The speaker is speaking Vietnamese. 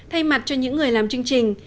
thay mặt cho những người làm chương trình